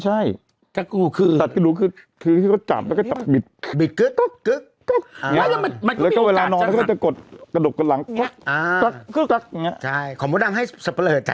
หรือคนตายที่บ้า